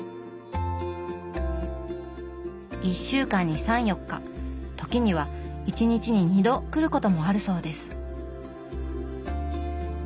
１週間に３４日時には１日に２度来ることもあるそうです。